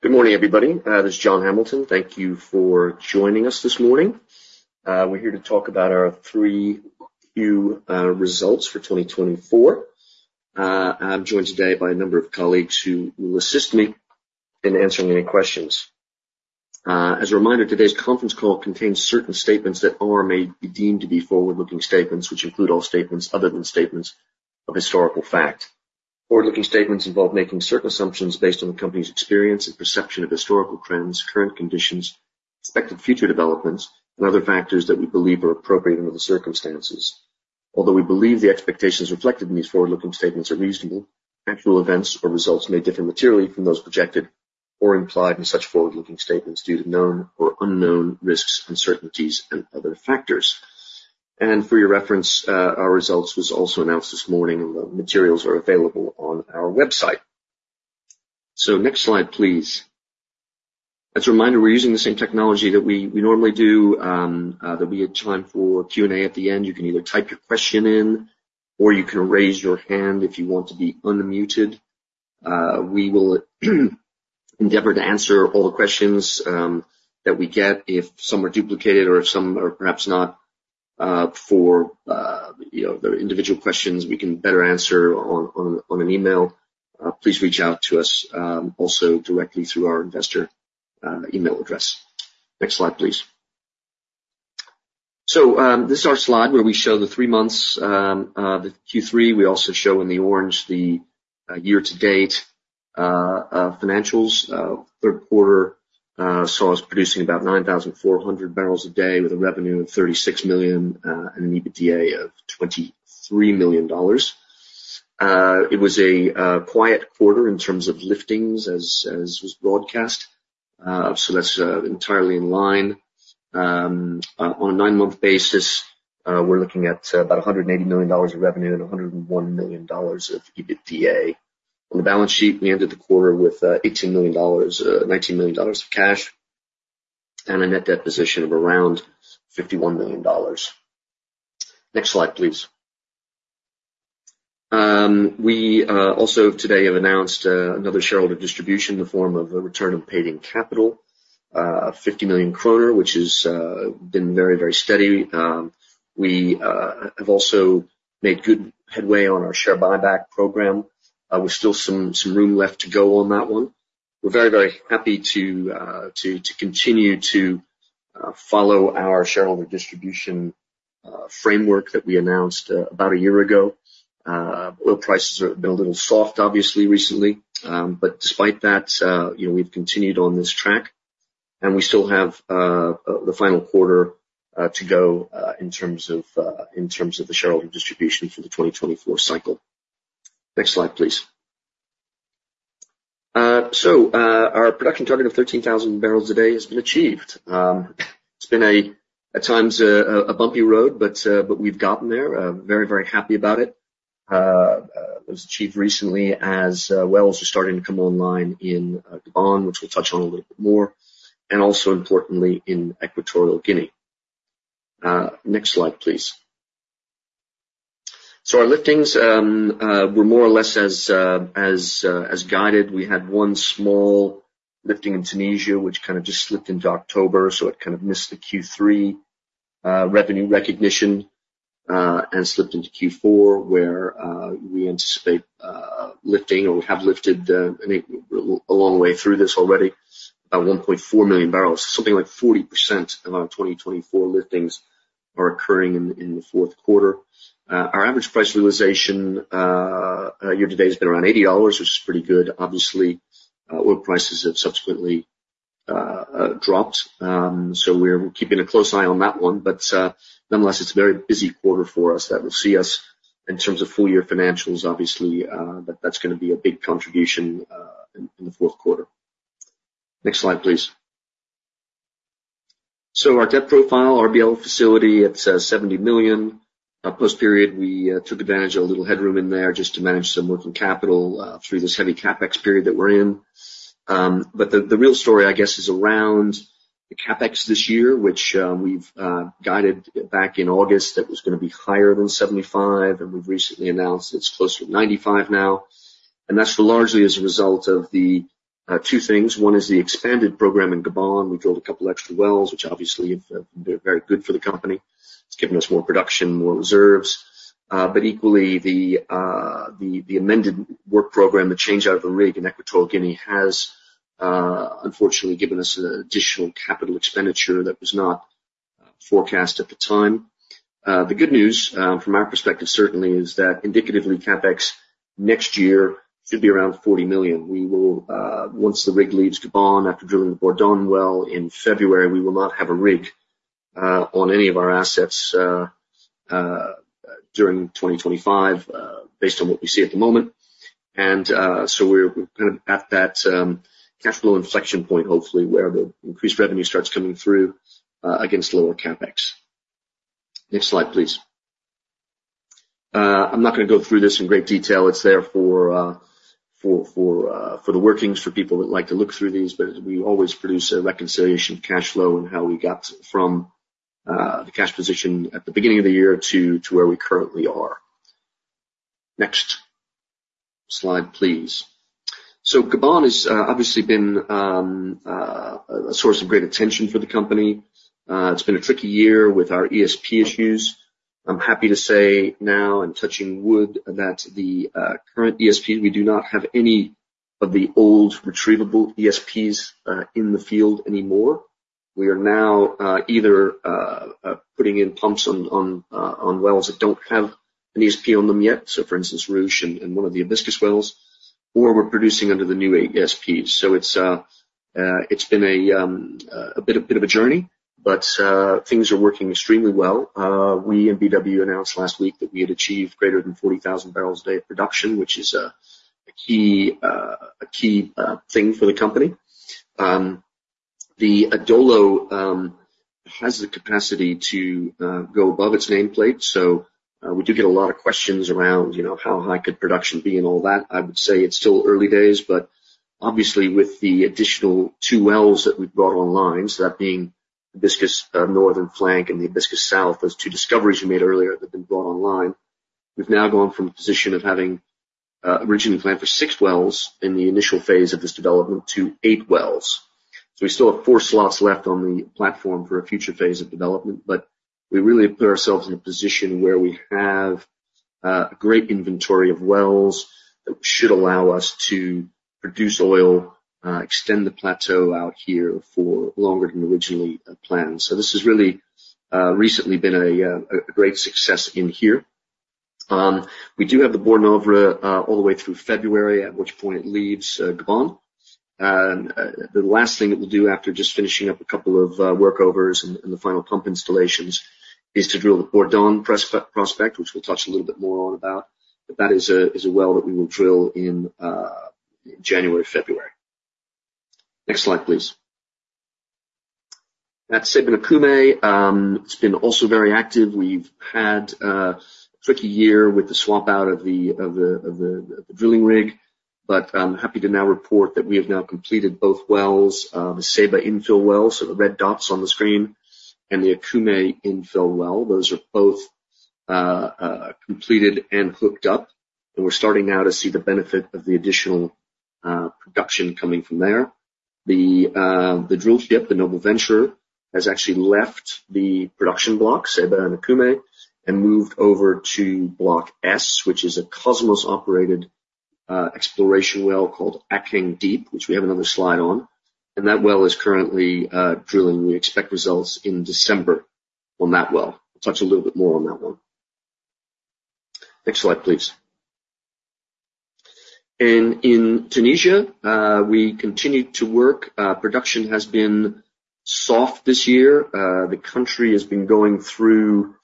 Good morning, everybody. This is John Hamilton. Thank you for joining us this morning. We're here to talk about our Q3 results for 2024. I'm joined today by a number of colleagues who will assist me in answering any questions. As a reminder, today's conference call contains certain statements that may be deemed to be forward-looking statements, which include all statements other than statements of historical fact. Forward-looking statements involve making certain assumptions based on the company's experience and perception of historical trends, current conditions, expected future developments, and other factors that we believe are appropriate under the circumstances. Although we believe the expectations reflected in these forward-looking statements are reasonable, actual events or results may differ materially from those projected or implied in such forward-looking statements due to known or unknown risks, uncertainties, and other factors. For your reference, our results were also announced this morning, and the materials are available on our website. So next slide, please. As a reminder, we're using the same technology that we normally do, that we had time for Q&A at the end. You can either type your question in, or you can raise your hand if you want to be unmuted. We will endeavor to answer all the questions that we get. If some are duplicated or if some are perhaps not for their individual questions, we can better answer on an email. Please reach out to us also directly through our investor email address. Next slide, please. So this is our slide where we show the three months, the Q3. We also show in the orange the year-to-date financials. Third quarter saw us producing about 9,400 barrels a day with a revenue of $36 million and an EBITDA of $23 million. It was a quiet quarter in terms of liftings, as was broadcast. So that's entirely in line. On a nine-month basis, we're looking at about $180 million of revenue and $101 million of EBITDA. On the balance sheet, we ended the quarter with $18 million-$19 million of cash, and a net debt position of around $51 million. Next slide, please. We also today have announced another shareholder distribution in the form of a return of paid-in capital, 50 million kroner, which has been very, very steady. We have also made good headway on our share buyback program. There's still some room left to go on that one. We're very, very happy to continue to follow our shareholder distribution framework that we announced about a year ago. Oil prices have been a little soft, obviously, recently, but despite that, we've continued on this track, and we still have the final quarter to go in terms of the shareholder distribution for the 2024 cycle. Next slide, please. Our production target of 13,000 barrels a day has been achieved. It's been at times a bumpy road, but we've gotten there. Very, very happy about it. It was achieved recently as wells are starting to come online in Gabon, which we'll touch on a little bit more, and also importantly in Equatorial Guinea. Next slide, please. Our liftings were more or less as guided. We had one small lifting in Tunisia, which kind of just slipped into October, so it kind of missed the Q3 revenue recognition and slipped into Q4, where we anticipate lifting or have lifted a long way through this already, about 1.4 million barrels. Something like 40% of our 2024 liftings are occurring in the fourth quarter. Our average price realization year-to-date has been around $80, which is pretty good. Obviously, oil prices have subsequently dropped. So we're keeping a close eye on that one. But nonetheless, it's a very busy quarter for us that will see us in terms of full-year financials, obviously, but that's going to be a big contribution in the fourth quarter. Next slide, please. So our debt profile, our RBL facility, it's $70 million. Post-period, we took advantage of a little headroom in there just to manage some working capital through this heavy CapEx period that we're in. But the real story, I guess, is around the CapEx this year, which we've guided back in August that was going to be higher than $75 million, and we've recently announced it's closer to $95 million now. That's largely as a result of two things. One is the expanded program in Gabon. We drilled a couple of extra wells, which obviously have been very good for the company. It's given us more production, more reserves. But equally, the amended work program, the change out of the rig in Equatorial Guinea, has unfortunately given us additional capital expenditure that was not forecast at the time. The good news from our perspective, certainly, is that indicatively, CapEx next year should be around $40 million. Once the rig leaves Gabon after drilling the Bourdon well in February, we will not have a rig on any of our assets during 2025, based on what we see at the moment. So we're kind of at that cash flow inflection point, hopefully, where the increased revenue starts coming through against lower CapEx. Next slide, please. I'm not going to go through this in great detail. It's there for the workings, for people that like to look through these, but we always produce a reconciliation of cash flow and how we got from the cash position at the beginning of the year to where we currently are. Next slide, please. Gabon has obviously been a source of great attention for the company. It's been a tricky year with our ESP issues. I'm happy to say now, and touching wood, that the current ESP, we do not have any of the old retrievable ESPs in the field anymore. We are now either putting in pumps on wells that don't have an ESP on them yet, so for instance, Ruche and one of the Hibiscus wells, or we're producing under the new ESPs. It's been a bit of a journey, but things are working extremely well. We at BW announced last week that we had achieved greater than 40,000 barrels a day of production, which is a key thing for the company. The Adolo has the capacity to go above its nameplate. So we do get a lot of questions around how high could production be and all that. I would say it's still early days, but obviously, with the additional two wells that we've brought online, so that being Hibiscus Northern Flank and the Hibiscus South, those two discoveries we made earlier that have been brought online, we've now gone from a position of having originally planned for six wells in the initial phase of this development to eight wells. So we still have four slots left on the platform for a future phase of development, but we really put ourselves in a position where we have a great inventory of wells that should allow us to produce oil, extend the plateau out here for longer than originally planned. So this has really recently been a great success in here. We do have the Borr Norve all the way through February, at which point it leaves Gabon. The last thing that we'll do after just finishing up a couple of workovers and the final pump installations is to drill the Bourdon prospect, which we'll touch a little bit more on about. But that is a well that we will drill in January, February. Next slide, please. At Ceiba and Okume, it's also been very active. We've had a tricky year with the swap out of the drilling rig, but I'm happy to now report that we have now completed both wells, the Ceiba infill well, so the red dots on the screen, and the Okume infill well. Those are both completed and hooked up. We're starting now to see the benefit of the additional production coming from there. The drill ship, the Noble Venturer, has actually left the production block, Ceiba Okume, and moved over to Block S, which is a Kosmos-operated exploration well called Akeng Deep, which we have another slide on. That well is currently drilling. We expect results in December on that well. We'll touch a little bit more on that one. Next slide, please. In Tunisia, we continue to work. Production has been soft this year. The country has been going through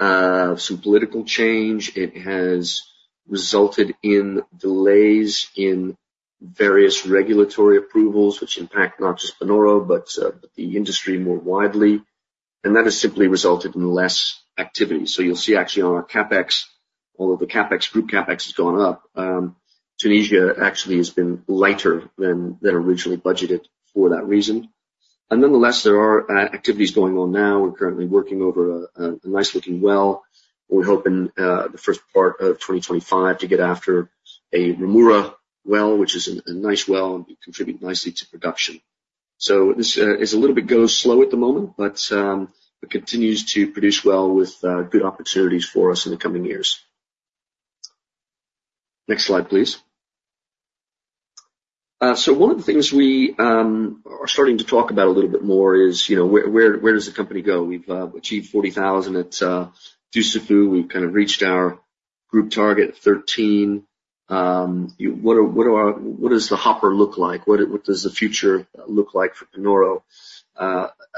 some political change. It has resulted in delays in various regulatory approvals, which impact not just Panoro, but the industry more widely. That has simply resulted in less activity. You'll see actually on our CapEx, although the CapEx group CapEx has gone up, Tunisia actually has been lighter than originally budgeted for that reason. Nonetheless, there are activities going on now. We're currently working over a nice-looking well. We're hoping the first part of 2025 to get after a Rhemoura well, which is a nice well and contributes nicely to production. This is a little bit go slow at the moment, but it continues to produce well with good opportunities for us in the coming years. Next slide, please. One of the things we are starting to talk about a little bit more is where does the company go? We've achieved 40,000 at Dussafu. We've kind of reached our group target of 13. What does the hopper look like? What does the future look like for Panoro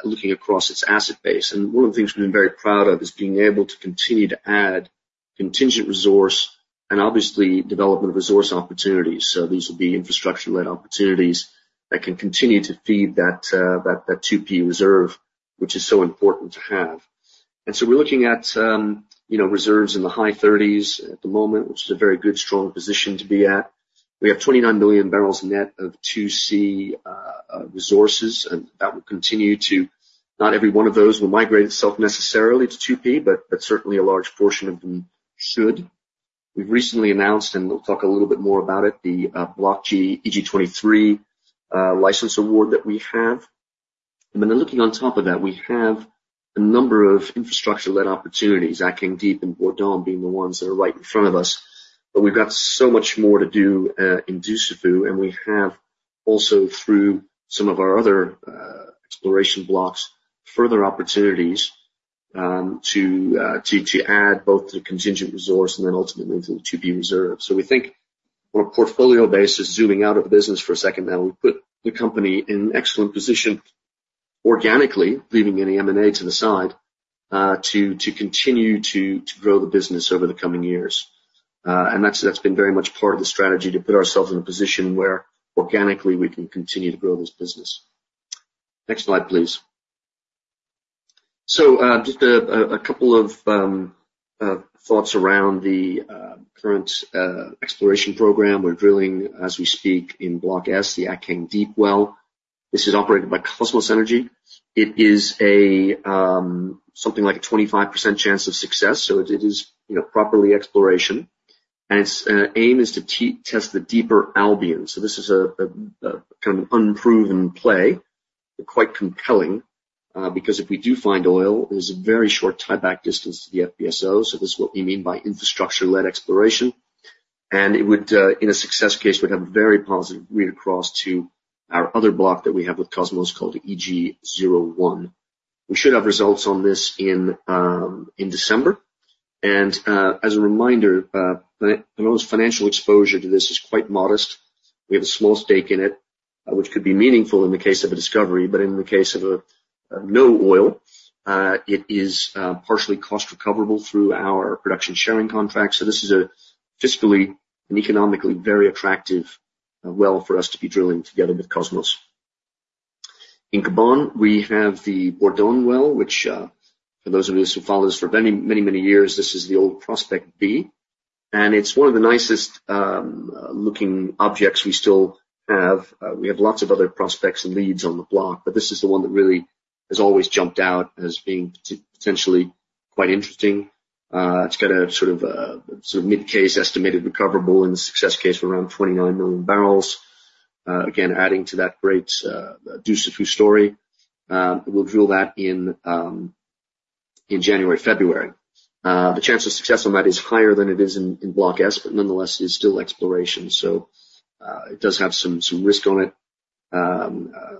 looking across its asset base? And one of the things we've been very proud of is being able to continue to add contingent resource and obviously development of resource opportunities. So these will be infrastructure-led opportunities that can continue to feed that 2P reserve, which is so important to have. And so we're looking at reserves in the high 30s at the moment, which is a very good strong position to be at. We have 29 million barrels net of 2C resources, and that will continue to not every one of those will migrate itself necessarily to 2P, but certainly a large portion of them should. We've recently announced, and we'll talk a little bit more about it, the Block G EG-23 license award that we have. Then looking on top of that, we have a number of infrastructure-led opportunities, Akeng Deep and Bourdon being the ones that are right in front of us. We've got so much more to do in Dussafu, and we have also through some of our other exploration blocks further opportunities to add both to the contingent resource and then ultimately to the 2P reserve. We think on a portfolio basis, zooming out of business for a second now, we put the company in an excellent position organically, leaving any M&A to the side to continue to grow the business over the coming years. That's been very much part of the strategy to put ourselves in a position where organically we can continue to grow this business. Next slide, please. Just a couple of thoughts around the current exploration program. We're drilling as we speak in Block S, the Akeng Deep well. This is operated by Kosmos Energy. It is something like a 25% chance of success, so it is properly exploration, and its aim is to test the deeper Albian, so this is kind of an unproven play, but quite compelling because if we do find oil, there's a very short tieback distance to the FPSO, so this is what we mean by infrastructure-led exploration, and in a success case, it would have a very positive read across to our other block that we have with Kosmos called EG-01. We should have results on this in December, and as a reminder, Panoro's financial exposure to this is quite modest. We have a small stake in it, which could be meaningful in the case of a discovery, but in the case of no oil, it is partially cost recoverable through our production sharing contract, so this is a fiscally and economically very attractive well for us to be drilling together with Kosmos. In Gabon, we have the Bourdon well, which for those of us who follow this for many, many, many years, this is the old prospect B, and it's one of the nicest-looking objects we still have. We have lots of other prospects and leads on the block, but this is the one that really has always jumped out as being potentially quite interesting. It's got a sort of mid-case estimated recoverable in the success case for around 29 million barrels. Again, adding to that great Dussafu story, we'll drill that in January, February. The chance of success on that is higher than it is in Block S, but nonetheless, it is still exploration, so it does have some risk on it.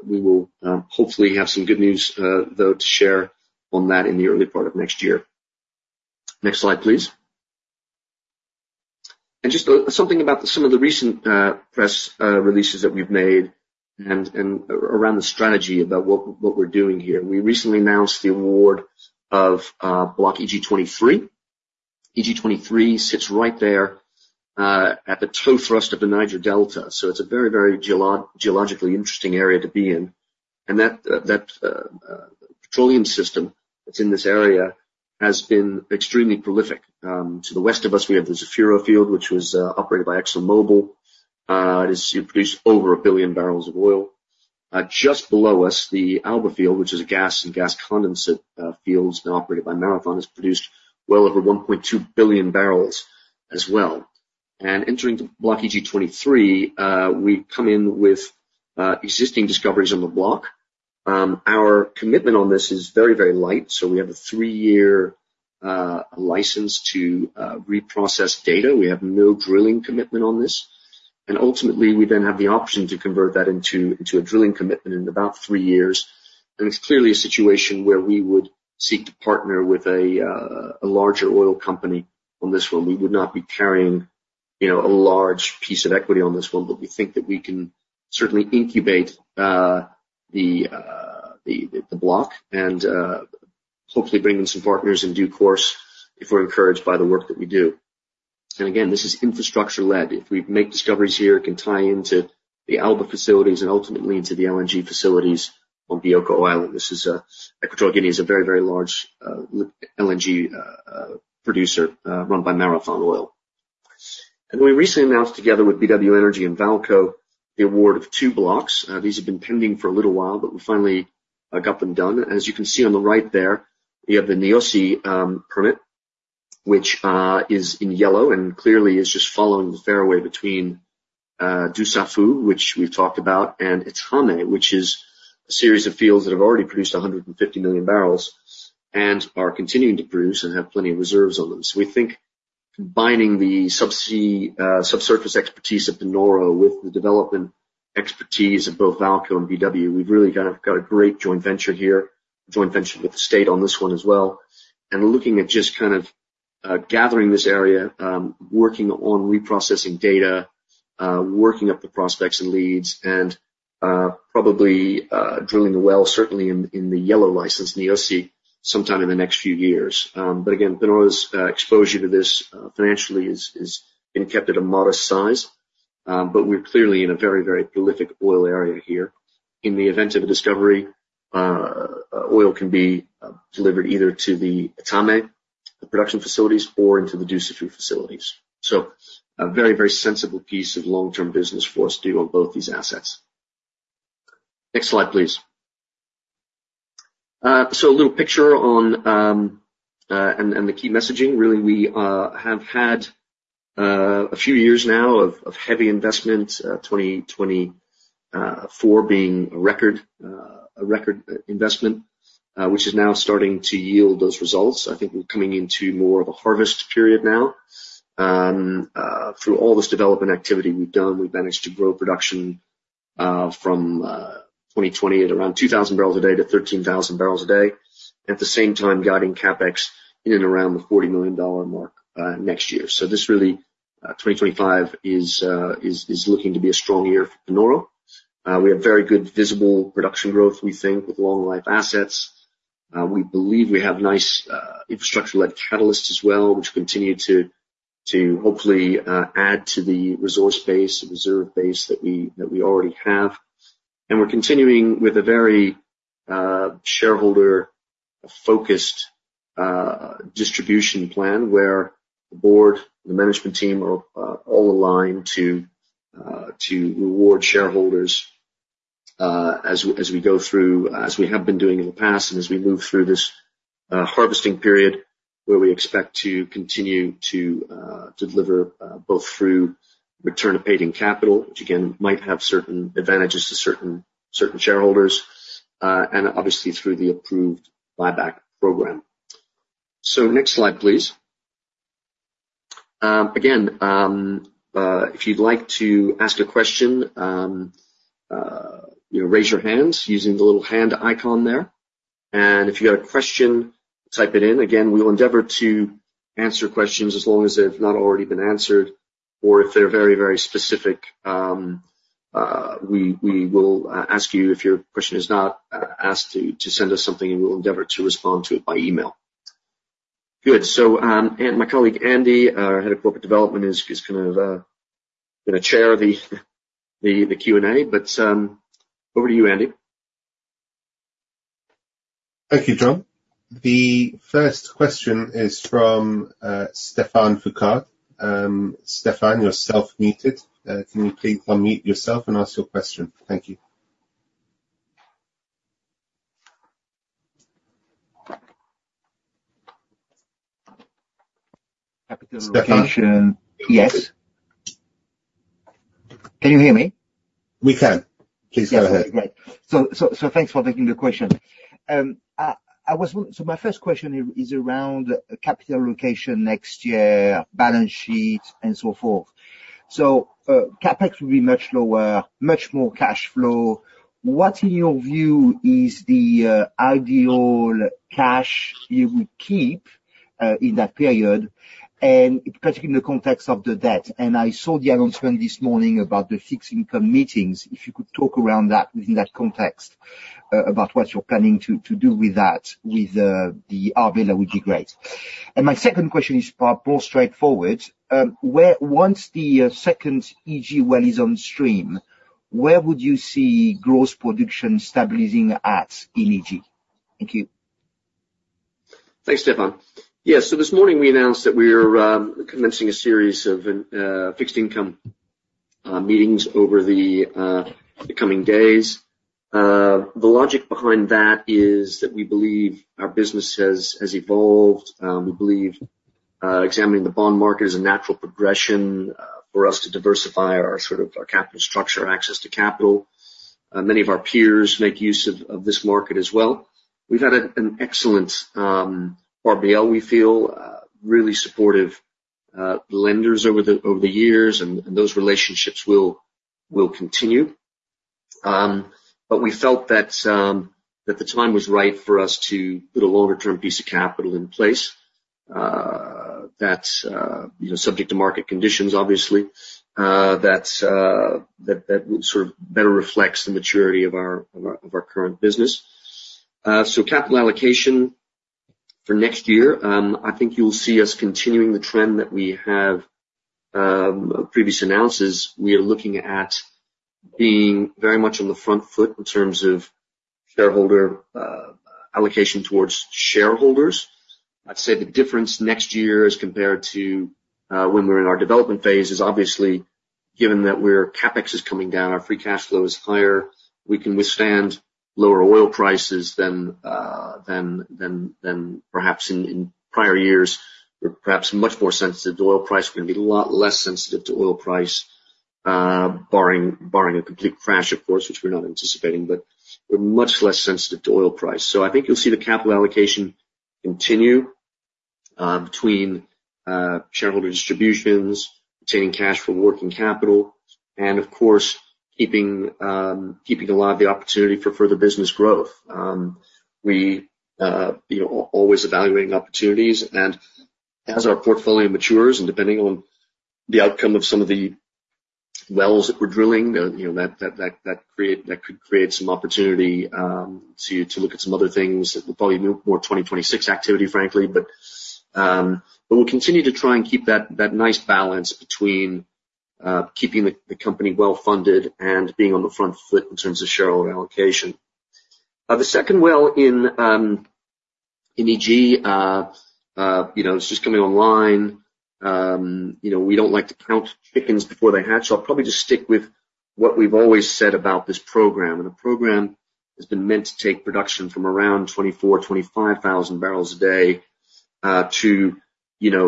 We will hopefully have some good news, though, to share on that in the early part of next year. Next slide, please, and just something about some of the recent press releases that we've made and around the strategy about what we're doing here. We recently announced the award of Block EG-23. EG-23 sits right there at the toe thrust of the Niger Delta, so it's a very, very geologically interesting area to be in. And that petroleum system that's in this area has been extremely prolific. To the west of us, we have the Zafiro field, which was operated by ExxonMobil. It has produced over a billion barrels of oil. Just below us, the Alba Field, which is a gas and gas condensate field now operated by Marathon, has produced well over 1.2 billion barrels as well. And entering Block EG-23, we come in with existing discoveries on the block. Our commitment on this is very, very light. So we have a three-year license to reprocess data. We have no drilling commitment on this. And ultimately, we then have the option to convert that into a drilling commitment in about three years. And it's clearly a situation where we would seek to partner with a larger oil company on this one. We would not be carrying a large piece of equity on this one, but we think that we can certainly incubate the block and hopefully bring in some partners in due course if we're encouraged by the work that we do. And again, this is infrastructure-led. If we make discoveries here, it can tie into the Alba facilities and ultimately into the LNG facilities on Bioko Island. Equatorial Guinea is a very, very large LNG producer run by Marathon Oil. And we recently announced together with BW Energy and VAALCO the award of two blocks. These have been pending for a little while, but we finally got them done. And as you can see on the right there, we have the Niosi permit, which is in yellow and clearly is just following the fairway between Dussafu, which we've talked about, and Etame, which is a series of fields that have already produced 150 million barrels and are continuing to produce and have plenty of reserves on them. So we think combining the subsurface expertise of Panoro with the development expertise of both VAALCO and BW, we've really kind of got a great joint venture here, a joint venture with the state on this one as well, and looking at just kind of gathering this area, working on reprocessing data, working up the prospects and leads, and probably drilling the well, certainly in the Guduma license, Niosi, sometime in the next few years, but again, Panoro's exposure to this financially has been kept at a modest size, but we're clearly in a very, very prolific oil area here. In the event of a discovery, oil can be delivered either to the Etame, the production facilities, or into the Dussafu facilities, so a very, very sensible piece of long-term business for us to do on both these assets. Next slide, please. So a little picture on the key messaging. Really, we have had a few years now of heavy investment, 2024 being a record investment, which is now starting to yield those results. I think we're coming into more of a harvest period now. Through all this development activity we've done, we've managed to grow production from 2020 at around 2,000 barrels a day to 13,000 barrels a day, at the same time guiding CapEx in and around the $40 million mark next year. So this really, 2025, is looking to be a strong year for Panoro. We have very good visible production growth, we think, with long-life assets. We believe we have nice infrastructure-led catalysts as well, which continue to hopefully add to the resource base, reserve base that we already have. And we're continuing with a very shareholder-focused distribution plan where the board, the management team are all aligned to reward shareholders as we go through, as we have been doing in the past, and as we move through this harvesting period where we expect to continue to deliver both through return to paid-in capital, which again might have certain advantages to certain shareholders, and obviously through the approved buyback program. So next slide, please. Again, if you'd like to ask a question, raise your hands using the little hand icon there. And if you have a question, type it in. Again, we'll endeavor to answer questions as long as they've not already been answered, or if they're very, very specific, we will ask you if your question is not asked to send us something, and we'll endeavor to respond to it by email. Good. So my colleague, Andy, our head of corporate development, has kind of been a chair of the Q&A, but over to you, Andy. Thank you, John. The first question is from Stéphane Foucaud. Stéphane, you're self-muted. Can you please unmute yourself and ask your question? Thank you. Stéphane. Yes. Can you hear me? We can. Please go ahead. Great. So thanks for taking the question. So my first question is around capital allocation next year, balance sheet, and so forth. So CapEx will be much lower, much more cash flow. What, in your view, is the ideal cash you would keep in that period, and particularly in the context of the debt? And I saw the announcement this morning about the fixed income meetings. If you could talk around that in that context about what you're planning to do with that, with the RBL, that would be great. My second question is more straightforward. Once the second EG well is on stream, where would you see gross production stabilizing at in EG? Thank you. Thanks, Stéphane. Yeah. So this morning, we announced that we are commencing a series of fixed income meetings over the coming days. The logic behind that is that we believe our business has evolved. We believe examining the bond market is a natural progression for us to diversify our sort of capital structure, access to capital. Many of our peers make use of this market as well. We've had an excellent RBL. We feel really supportive lenders over the years, and those relationships will continue. But we felt that the time was right for us to put a longer-term piece of capital in place that's subject to market conditions, obviously, that sort of better reflects the maturity of our current business. Capital allocation for next year, I think you'll see us continuing the trend that we have previously announced. We are looking at being very much on the front foot in terms of shareholder allocation towards shareholders. I'd say the difference next year as compared to when we're in our development phase is obviously given that CapEx is coming down, our free cash flow is higher, we can withstand lower oil prices than perhaps in prior years. We're perhaps much more sensitive to oil price. We're going to be a lot less sensitive to oil price, barring a complete crash, of course, which we're not anticipating, but we're much less sensitive to oil price. I think you'll see the capital allocation continue between shareholder distributions, retaining cash for working capital, and of course, keeping alive the opportunity for further business growth. We are always evaluating opportunities. And as our portfolio matures, and depending on the outcome of some of the wells that we're drilling, that could create some opportunity to look at some other things. It will probably be more 2026 activity, frankly, but we'll continue to try and keep that nice balance between keeping the company well-funded and being on the front foot in terms of shareholder allocation. The second well in EG is just coming online. We don't like to count chickens before they hatch. I'll probably just stick with what we've always said about this program. And the program has been meant to take production from around 24,000-25,000 barrels a day to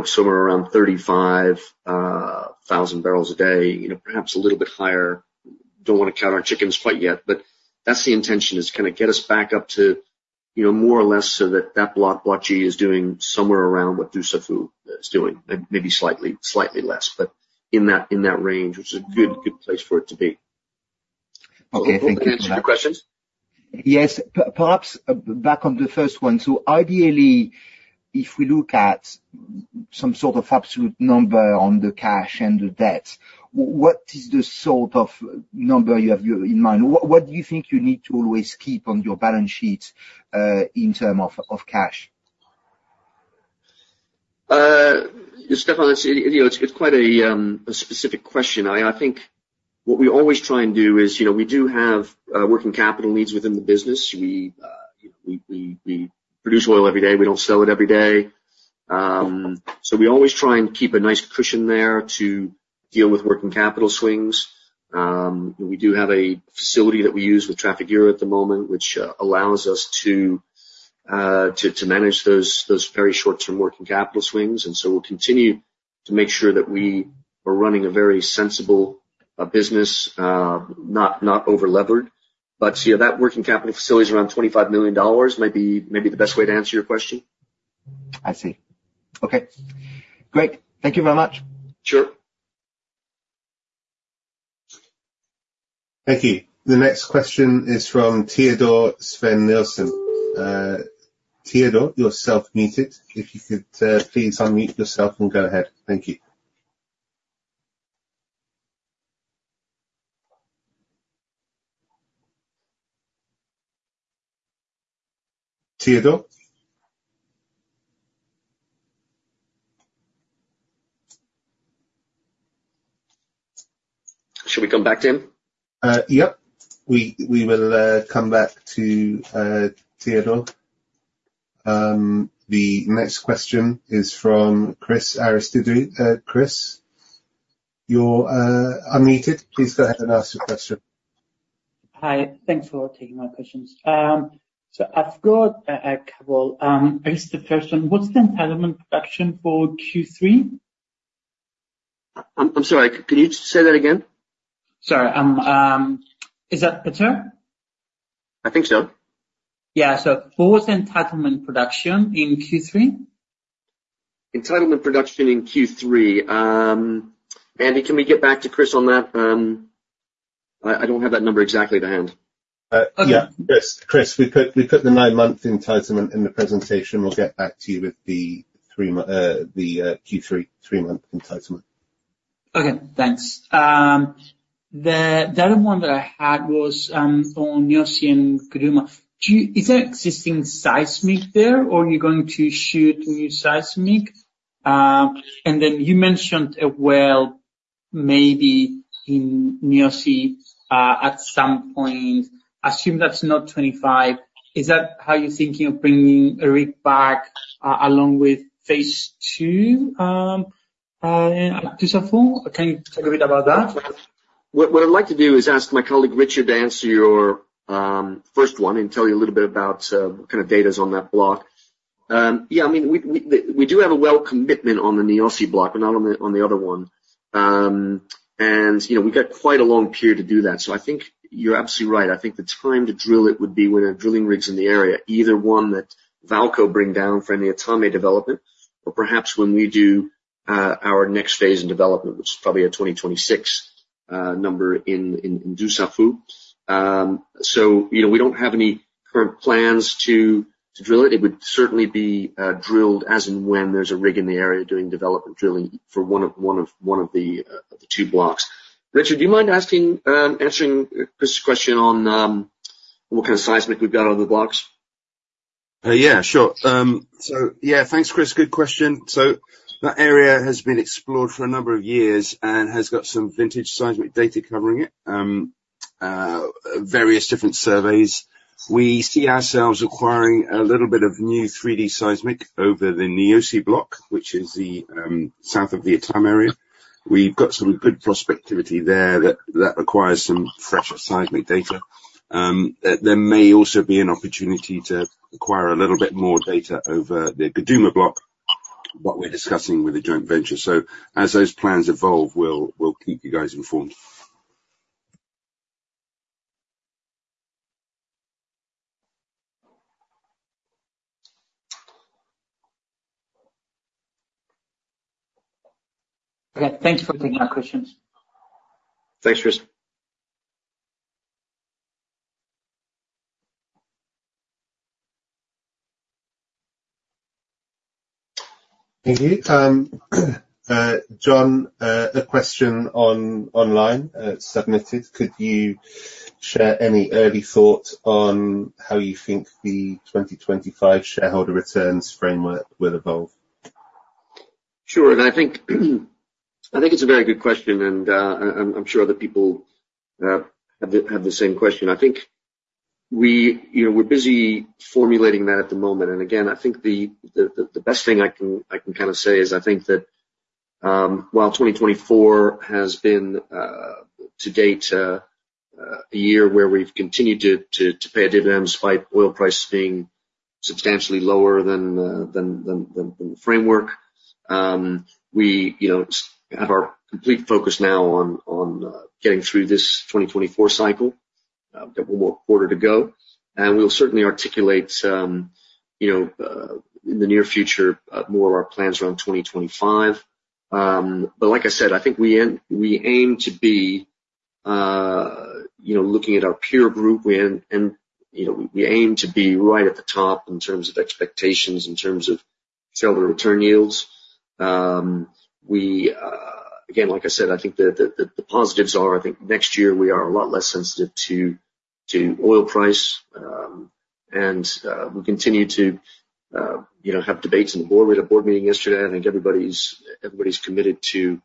somewhere around 35,000 barrels a day, perhaps a little bit higher. Don't want to count our chickens quite yet, but that's the intention, is kind of get us back up to more or less so that that Block G is doing somewhere around what Dussafu is doing, maybe slightly less, but in that range, which is a good place for it to be. Okay. Thank you. Any other questions? Yes. Perhaps back on the first one. So ideally, if we look at some sort of absolute number on the cash and the debt, what is the sort of number you have in mind? What do you think you need to always keep on your balance sheets in terms of cash? Stéphane, it's quite a specific question. I think what we always try and do is we do have working capital needs within the business. We produce oil every day. We don't sell it every day. So we always try and keep a nice cushion there to deal with working capital swings. We do have a facility that we use with Trafigura at the moment, which allows us to manage those very short-term working capital swings. And so we'll continue to make sure that we are running a very sensible business, not over-levered. But that working capital facility is around $25 million. Maybe the best way to answer your question. I see. Okay. Great. Thank you very much. Sure. Thank you. The next question is from Teodor Sveen-Nilsen. Teodor, you're self-muted. If you could please unmute yourself and go ahead. Thank you. Teodor? Should we come back to him? Yep. We will come back to Teodor. The next question is from Chris Aristidou. Chris, you're unmuted. Please go ahead and ask your question. Hi. Thanks for taking my questions. So I've got a couple. I guess the first one, what's the entitlement production for Q3? I'm sorry. Can you say that again? Sorry. Is that better? I think so. Yeah. What was the entitlement production in Q3? Entitlement production in Q3. Andy, can we get back to Chris on that? I don't have that number exactly at hand. Okay. Chris, we put the nine-month entitlement in the presentation. We'll get back to you with the Q3 three-month entitlement. Okay. Thanks. The other one that I had was on Niosi and Guduma. Is there existing seismic there, or are you going to shoot new seismic? You mentioned a well maybe in Niosi at some point. Assume that's not 25. Is that how you're thinking of bringing the rig back along with phase two at Dussafu? Can you talk a bit about that? What I'd like to do is ask my colleague Richard to answer your first one and tell you a little bit about what kind of data is on that block. Yeah. I mean, we do have a well commitment on the Niosi block, but not on the other one. And we've got quite a long period to do that. So I think you're absolutely right. I think the time to drill it would be when a drilling rig's in the area, either one that VAALCO bring down for Etame development, or perhaps when we do our next phase in development, which is probably a 2026 number in Dussafu. So we don't have any current plans to drill it. It would certainly be drilled as and when there's a rig in the area doing development drilling for one of the two blocks. Richard, do you mind answering Chris's question on what kind of seismic we've got on the blocks? Yeah. Sure. So yeah, thanks, Chris. Good question. So that area has been explored for a number of years and has got some vintage seismic data covering it, various different surveys. We see ourselves acquiring a little bit of new 3D seismic over the Niosi block, which is south of the Etame area. We've got some good prospectivity there that requires some fresher seismic data. There may also be an opportunity to acquire a little bit more data over the Guduma block, what we're discussing with the joint venture. So as those plans evolve, we'll keep you guys informed. Okay. Thank you for taking our questions. Thanks, Chris. Thank you. John, a question online submitted. Could you share any early thoughts on how you think the 2025 shareholder returns framework will evolve? Sure. I think it's a very good question, and I'm sure other people have the same question. I think we're busy formulating that at the moment. And again, I think the best thing I can kind of say is I think that while 2024 has been to date a year where we've continued to pay a dividend despite oil prices being substantially lower than the framework, we have our complete focus now on getting through this 2024 cycle. We've got one more quarter to go. We'll certainly articulate in the near future more of our plans around 2025. Like I said, I think we aim to be looking at our peer group, and we aim to be right at the top in terms of expectations, in terms of shareholder return yields. Again, like I said, I think the positives are I think next year we are a lot less sensitive to oil price, and we continue to have debates in the board. We had a board meeting yesterday. I think everybody's committed to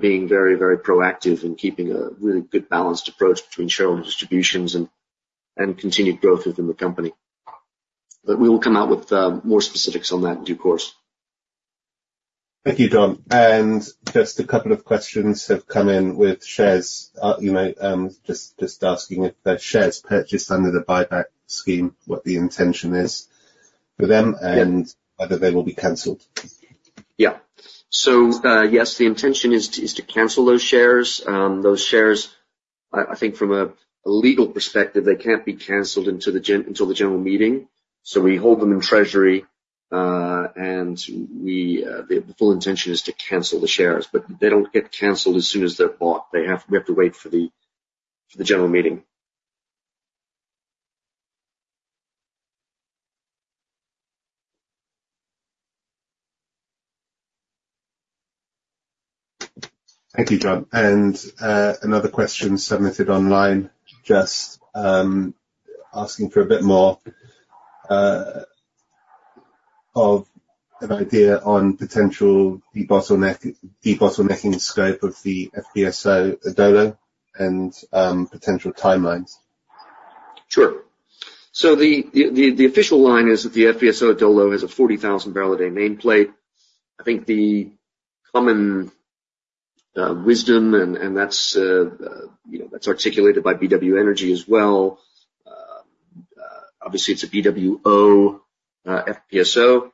being very, very proactive and keeping a really good balanced approach between shareholder distributions and continued growth within the company, but we will come out with more specifics on that in due course. Thank you, John. And just a couple of questions have come in with shares, just asking if the shares purchased under the buyback scheme, what the intention is for them, and whether they will be canceled. Yeah. So yes, the intention is to cancel those shares. Those shares, I think from a legal perspective, they can't be canceled until the general meeting. We hold them in treasury, and the full intention is to cancel the shares. But they don't get canceled as soon as they're bought. We have to wait for the general meeting. Thank you, John. Another question submitted online just asking for a bit more of an idea on potential de-bottlenecking scope of the FPSO Adolo and potential timelines. Sure. The official line is that the FPSO Adolo has a 40,000 barrel a day nameplate. I think the common wisdom, and that's articulated by BW Energy as well. Obviously, it's a BWO FPSO,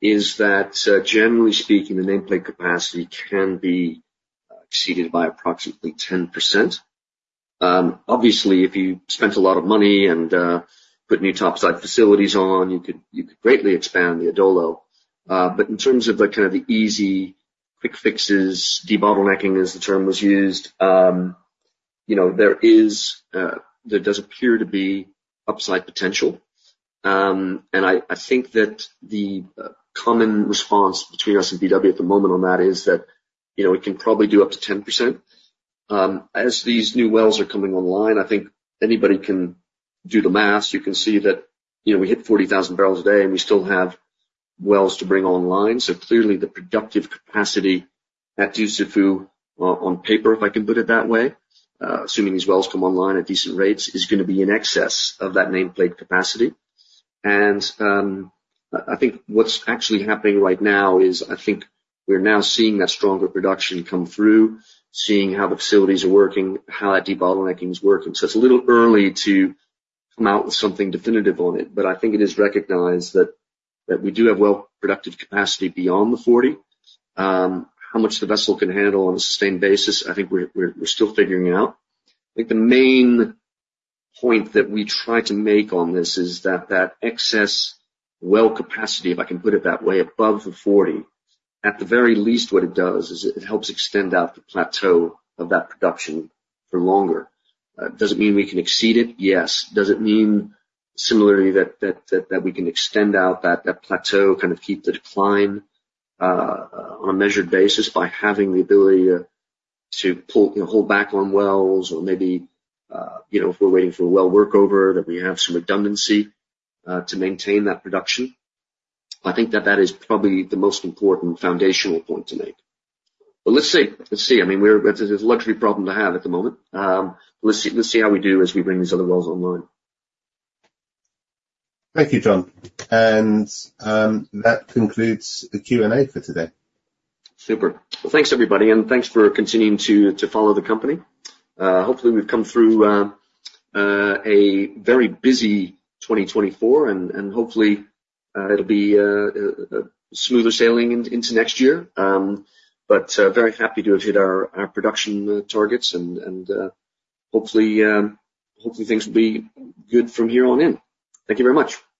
is that generally speaking, the nameplate capacity can be exceeded by approximately 10%. Obviously, if you spent a lot of money and put new topside facilities on, you could greatly expand the Adolo. But in terms of kind of the easy quick fixes, de-bottlenecking as the term was used, there does appear to be upside potential. And I think that the common response between us and BW at the moment on that is that it can probably do up to 10%. As these new wells are coming online, I think anybody can do the math. You can see that we hit 40,000 barrels a day, and we still have wells to bring online. So clearly, the productive capacity at Dussafu on paper, if I can put it that way, assuming these wells come online at decent rates, is going to be in excess of that nameplate capacity. And I think what's actually happening right now is I think we're now seeing that stronger production come through, seeing how the facilities are working, how that de-bottlenecking is working. It's a little early to come out with something definitive on it, but I think it is recognized that we do have well productive capacity beyond the 40. How much the vessel can handle on a sustained basis, I think we're still figuring out. I think the main point that we try to make on this is that that excess well capacity, if I can put it that way, above the 40, at the very least, what it does is it helps extend out the plateau of that production for longer. Does it mean we can exceed it? Yes. Does it mean similarly that we can extend out that plateau, kind of keep the decline on a measured basis by having the ability to hold back on wells or maybe if we're waiting for a well workover that we have some redundancy to maintain that production? I think that that is probably the most important foundational point to make, but let's see. I mean, it's a luxury problem to have at the moment. Let's see how we do as we bring these other wells online. Thank you, John, and that concludes the Q&A for today. Super. Well, thanks, everybody, and thanks for continuing to follow the company. Hopefully, we've come through a very busy 2024, and hopefully, it'll be smoother sailing into next year. But very happy to have hit our production targets, and hopefully, things will be good from here on in. Thank you very much.